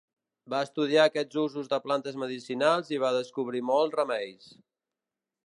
Va estudiar aquests usos de plantes medicinals i va descobrir molts remeis.